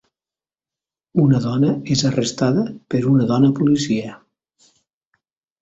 Una dona és arrestada per una dona policia.